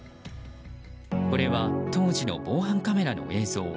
これは当時の防犯カメラの映像。